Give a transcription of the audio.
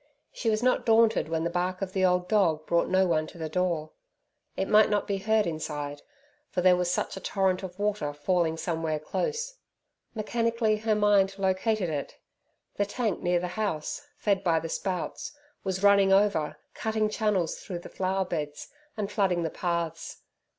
She was not daunted when the bark of the old dog brought no one to the door. It might not be heard inside, for there was such a torrent of water falling somewhere close. Mechanically her mind located it. The tank near the house, fed by the spouts, was running over, cutting channels through the flower beds, and flooding the paths.